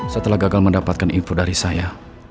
setelah gagal mendapatkan info dari saya